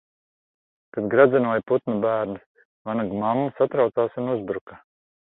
Kad gredzenoja putnu bērnus, vanagu mamma satraucās un uzbruka.